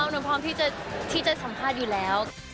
หนูพร้อมที่จะสัมภาษณ์อยู่แล้ว